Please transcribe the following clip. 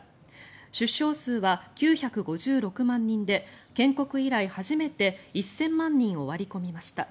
出生数は９５６万人で建国以来初めて１０００万人を割り込みました。